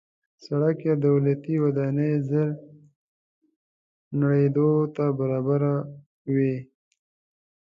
سړک یا دولتي ودانۍ ژر نړېدو ته برابره وي.